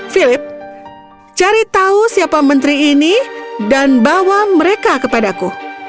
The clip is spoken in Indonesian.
philip cari tahu siapa menteri ini dan bawa mereka kepadaku